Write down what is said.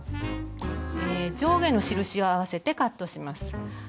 上下の印を合わせてカットします。